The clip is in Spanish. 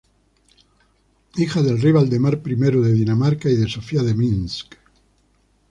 Hija del rey Valdemar I de Dinamarca y de Sofía de Minsk.